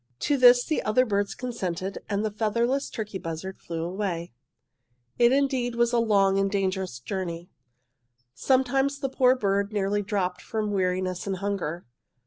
"'To this the other birds consented, and the featherless turkey buzzard flew away. "'It was indeed a long and a dangerous journey. Sometimes the poor bird nearly dropped from weariness and hunger.